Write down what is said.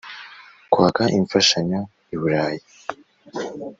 kwaka imfashanyo i burayi.